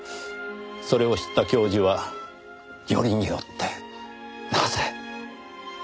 それを知った教授はよりによってなぜ？と言ったそうです。